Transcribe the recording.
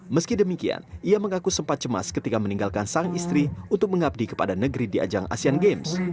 meski demikian ia mengaku sempat cemas ketika meninggalkan sang istri untuk mengabdi kepada negeri di ajang asean games